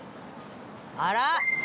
あら！